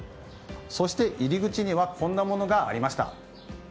そして、入り口にはこんなものがありました。